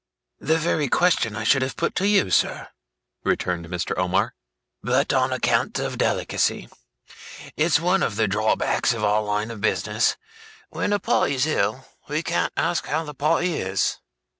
'The very question I should have put to you, sir,' returned Mr. Omer, 'but on account of delicacy. It's one of the drawbacks of our line of business. When a party's ill, we can't ask how the party is.